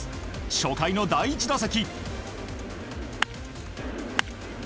初回の第１打席。